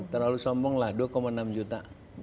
kalau sombonglah dua enam juta